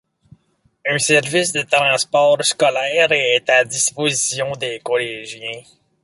Un service de transport scolaire est à disposition des collégiens.